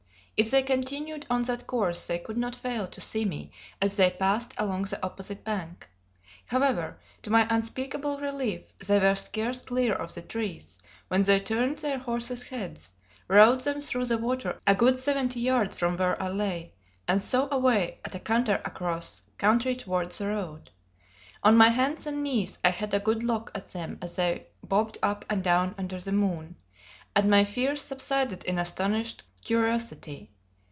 If they continued on that course they could not fail to see me as they passed along the opposite bank. However, to my unspeakable relief, they were scarce clear of the trees when they turned their horses' heads, rode them through the water a good seventy yards from where I lay, and so away at a canter across country towards the road. On my hands and knees I had a good look at them as they bobbed up and down under the moon; and my fears subsided in astonished curiosity.